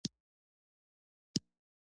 هغوی د ژمنې په بڼه پسرلی سره ښکاره هم کړه.